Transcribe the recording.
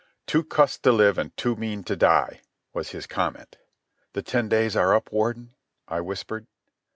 "Too cussed to live and too mean to die," was his comment. "The ten days are up, Warden," I whispered.